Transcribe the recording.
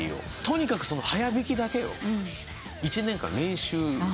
とにかく速弾きだけを１年間練習。